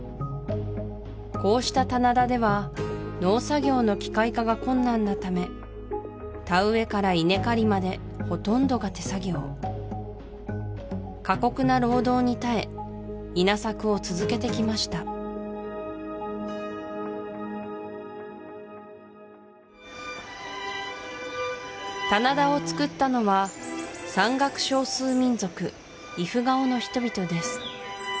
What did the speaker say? こうした棚田では農作業の機械化が困難なため田植えから稲刈りまでほとんどが手作業過酷な労働に耐え稲作を続けてきました棚田をつくったのはの人々です